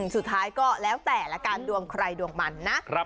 สุดท้ายก็แล้วแต่ละกันดวงใครดวงมันนะ